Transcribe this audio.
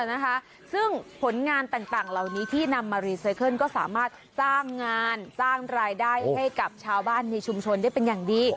นะคะซึ่งผลงานต่างเหล่านี้ที่นำมารีไซเคิลก็สามารถสร้างงานสร้างรายได้ให้กับชาวบ้านในชุมชนได้เป็นอย่างดี